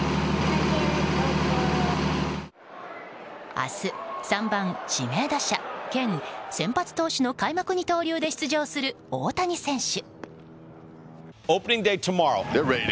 明日３番指名打者兼先発投手の開幕二刀流で出場する大谷選手。